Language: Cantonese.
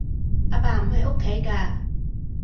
阿爸唔喺屋企㗎